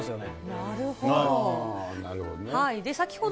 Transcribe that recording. なるほど。